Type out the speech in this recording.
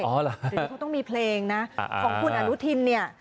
เดี๋ยวนี้เขาต้องมีเพลงนะของคุณอนุทินเนี่ย